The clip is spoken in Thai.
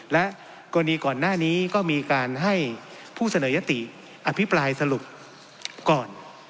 และกรณีก่อนหน้านี้ก็มีการให้ผู้เสนอยติอภิปรายสรุปก่อน